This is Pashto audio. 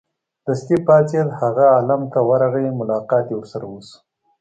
دستې پاڅېد هغه عالم ت ورغی ملاقات یې ورسره وشو.